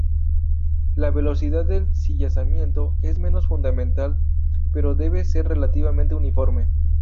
La velocidad de cizallamiento es menos fundamental, pero debe ser relativamente uniforme.